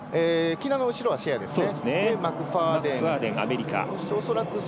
喜納の後ろはシェアですね。